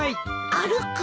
歩く？